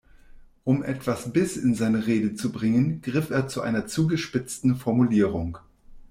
Um etwas Biss in seine Rede zu bringen, griff er zu einer zugespitzten Formulierung.